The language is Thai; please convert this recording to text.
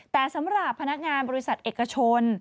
แต่สำหรับพนักงานบริษัทเอกชน